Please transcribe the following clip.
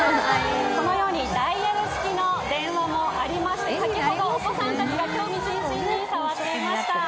このようにダイヤル式の電話もありまして、先ほどお子さんたちが興味津々に触っていました。